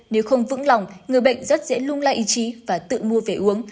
nếu không vững lòng người bệnh rất dễ lung la ý chí và tự mua về uống